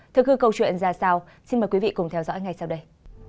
thưa khu câu chuyện ra sao xin mời quý vị cùng theo dõi ngay sau đây